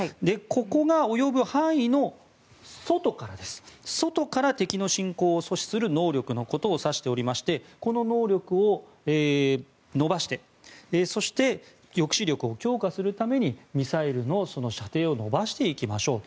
ここが及ぶ範囲の外から敵の侵攻を阻止する能力のことを差しておりましてこの能力を伸ばしてそして抑止力を強化するためにミサイルの射程を延ばしていきましょう。